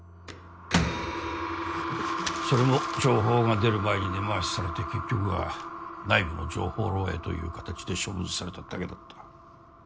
それも情報が出る前に根回しされて結局は内部の情報漏洩というかたちで処分されただけだった。